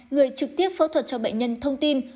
người trực tiếp phẫu thuật cho bệnh nhân thông tin